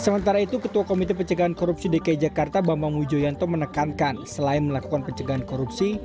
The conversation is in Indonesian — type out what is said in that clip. sementara itu ketua komite pencegahan korupsi dki jakarta bambang wijoyanto menekankan selain melakukan pencegahan korupsi